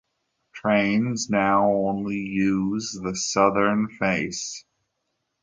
Trains now only use the southern face.